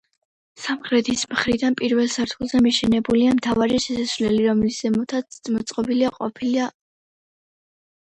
სამხრეთის მხრიდან პირველ სართულზე მიშენებულია მთავარი შესასვლელი, რომლის ზემოთაც მოწყობილი ყოფილა ღია აივანი.